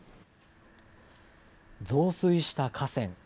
増水した河川。